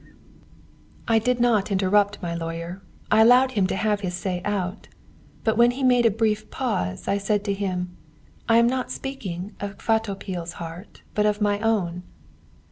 "I did not interrupt my lawyer. I allowed him to have his say out. But when he made a brief pause, I said to him: 'I am not speaking of Kvatopil's heart, but of my own.'